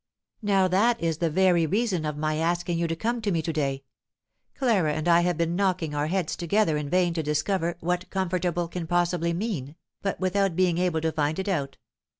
Now that is the very reason of my asking you to come to me to day; Clara and I have been knocking our heads together in vain to discover what 'comfortable' can possibly mean, but without being able to find it out.